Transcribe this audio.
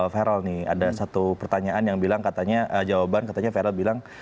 viral nih ada satu pertanyaan yang bilang katanya jawaban katanya feral bilang